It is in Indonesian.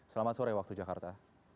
selamat sore waktu jakarta